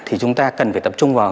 thì chúng ta cần phải tập trung vào